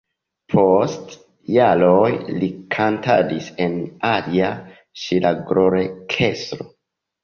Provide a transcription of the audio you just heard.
Post jaroj li kantadis en alia ŝlagrorkestro.